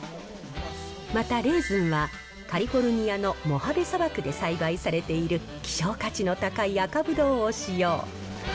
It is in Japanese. またレーズンは、カリフォルニアのモハベ砂漠で栽培されている希少価値の高い赤葡萄を使用。